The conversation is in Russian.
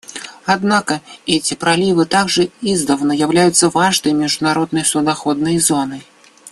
Однако эти проливы также издавна являются важной международной судоходной зоной.